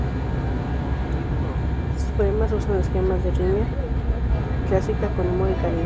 Sus poemas usan esquemas de rima clásica con humor y calidez.